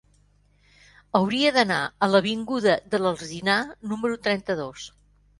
Hauria d'anar a l'avinguda de l'Alzinar número trenta-dos.